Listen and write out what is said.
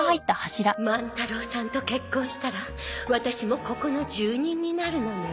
万太郎さんと結婚したらワタシもここの住人になるのね